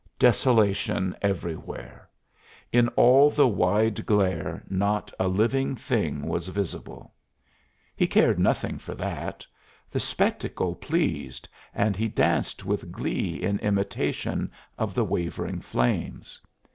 Desolation everywhere! In all the wide glare not a living thing was visible. He cared nothing for that; the spectacle pleased, and he danced with glee in imitation of the wavering flames.